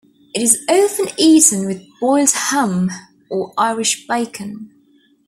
It is often eaten with boiled ham or Irish bacon.